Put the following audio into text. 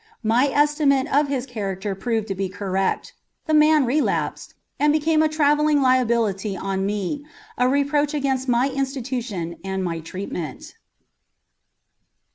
My estimate of his character proved to be correct; the man relapsed, and became a traveling liability on me, a reproach against my institution and my treatment.